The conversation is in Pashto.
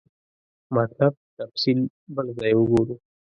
مطلب تفصیل بل ځای وګورو.